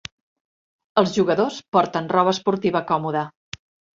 Els jugadors porten roba esportiva còmoda.